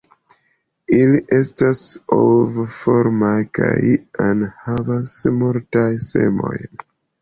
Ili estas ovoformaj kaj enhavas multajn semojn.